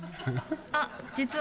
あっ実は。